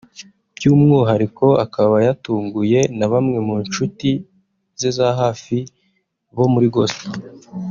by’umwuhariko akaba yatunguwe na bamwe mu nshuti ze za hafi bo muri Gospel